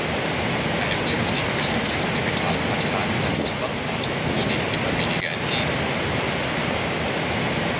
Einem künftigen Beschäftigungskapitel im Vertrag, das Substanz hat, steht immer weniger entgegen.